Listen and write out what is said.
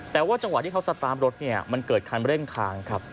แต่ว่าจังหวะที่เขาสะตามรถมันเกิดขั้นเร่งคาง